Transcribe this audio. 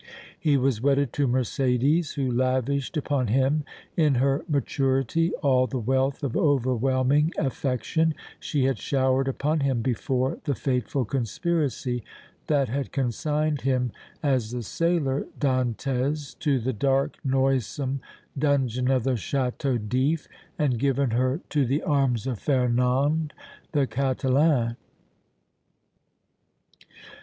He was wedded to Mercédès, who lavished upon him in her maturity all the wealth of overwhelming affection she had showered upon him before the fateful conspiracy that had consigned him as the sailor Dantès to the dark, noisome dungeon of the Château d' If and given her to the arms of Fernand, the Catalan.